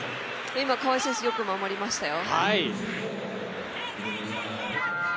今、川井選手よく守りましたよ。